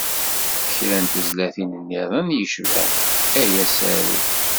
Kra n tezlatin-nniḍen yecban « A asaru ».